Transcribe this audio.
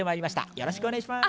よろしくお願いします。